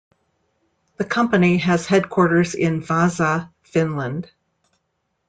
The company has headquarters in Vaasa, Finland.